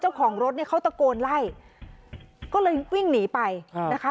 เจ้าของรถเนี่ยเขาตะโกนไล่ก็เลยวิ่งหนีไปนะคะ